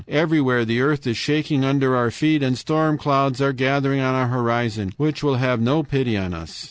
Everywhere the earth is shaking under our feet and storm clouds are gathering on our horizon which will have no pity on us.